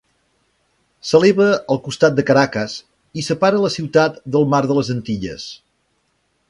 S'eleva al costat de Caracas i separa la ciutat del mar de les Antilles.